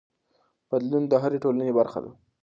بدلون د هرې ټولنې برخه ده.